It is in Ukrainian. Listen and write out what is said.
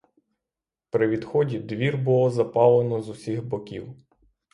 При відході двір було запалено з усіх боків.